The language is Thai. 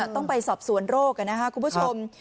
ต้องไปสอบสวนโรคนะครับคุณผู้ชม